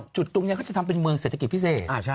จุดตรงนี้เขาจะทำเป็นเมืองเศรษฐกิจพิเศษ